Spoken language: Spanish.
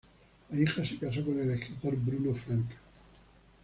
La hija se casó con el escritor Bruno Frank.